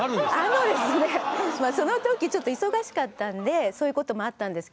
あのですねその時ちょっと忙しかったんでそういうこともあったんですけど。